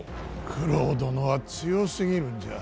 九郎殿は強すぎるんじゃ。